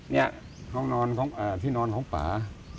นี่ห้องนอนของที่นอนของป่า